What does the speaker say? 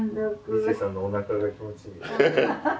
一成さんのおなかが気持ちいい。